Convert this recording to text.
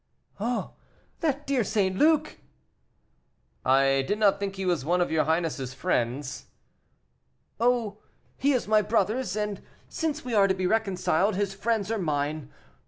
"Oh, that dear St. Luc!" "I did not think he was one of your highness's friends." "Oh, he is my brother's, and, since we are to be reconciled, his friends are mine.